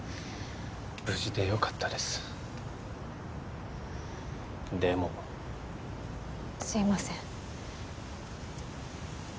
無事でよかったですでもすいません